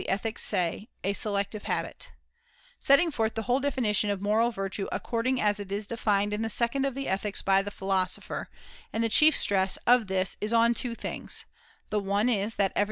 The [lo] setting forth the whole definition of moral moral virtue according as it is defined in the second of the Ethics by the Philosopher ; and the chief stress '• of this is on two things : the one is that every